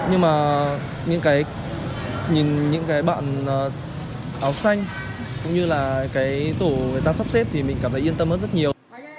nhưng mà những cái nhìn những cái bạn áo xanh cũng như là cái tổ người ta sắp xếp thì mình cảm thấy yên tâm hơn rất nhiều